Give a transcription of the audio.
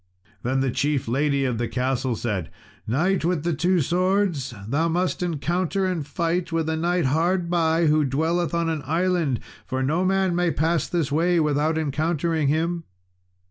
Then the chief lady of the castle said, "Knight with the two swords, thou must encounter and fight with a knight hard by, who dwelleth on an island, for no man may pass this way without encountering him."